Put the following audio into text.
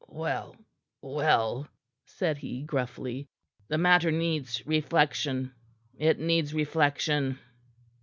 "Well, well," said he gruffly. "The matter needs reflection. It needs reflection."